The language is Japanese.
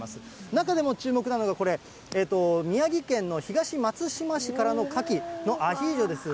中でも注目なのがこれ、宮城県の東松島市からのカキ、アヒージョです。